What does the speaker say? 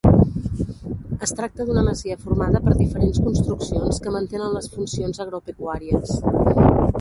Es tracta d'una masia formada per diferents construccions que mantenen les funcions agropecuàries.